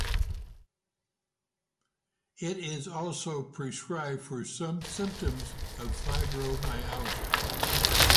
It is also prescribed for some symptoms of fibromyalgia.